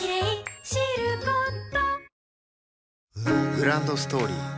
グランドストーリー